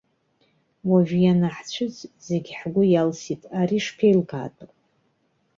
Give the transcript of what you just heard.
Уажәы ианаҳцәыӡ, зегь ҳгәы иалсит, ари шԥеилкаатәу?